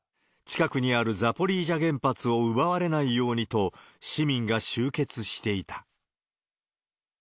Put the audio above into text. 近くにあるザポリージャ原発を奪われないようにと、市民が集結していた。